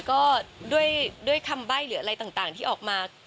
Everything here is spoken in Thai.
ก็ด้วยคำใบ้หรืออะไรต่างที่ออกมา